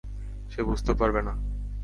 সে বুঝতেও পারবে না!